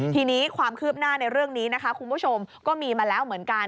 ทีนี้ความคืบหน้าในเรื่องนี้นะคะคุณผู้ชมก็มีมาแล้วเหมือนกัน